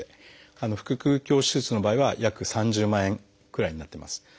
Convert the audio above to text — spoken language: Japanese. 腹くう鏡手術の場合は約３０万円くらいになってます。